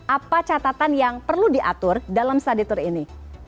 apa catatan yang perlu diatur dalam studi tour ini